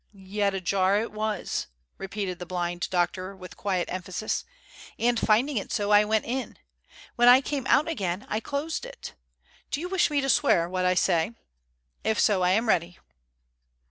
"Yet ajar it was," repeated the blind doctor, with quiet emphasis; "and finding it so, I went in. When I came out again, I closed it. Do you wish me to swear to what I say? If so, I am ready."